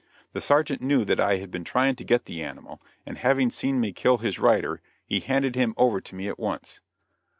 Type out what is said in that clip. The Sergeant knew that I had been trying to get the animal and having seen me kill his rider, he handed him over to me at once.